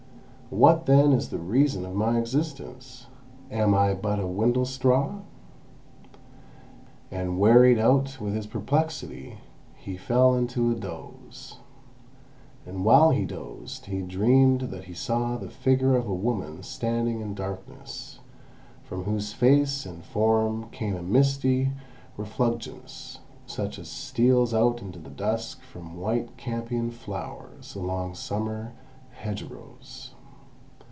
What then is the reason of my existence? Am I but a windlestraw?" And wearied out with his perplexity, he fell into a doze. And while he dozed he dreamed that he saw the figure of a woman standing in darkness, from whose face and form came a misty refulgence, such as steals out into the dusk from white campion flowers along summer hedgerows.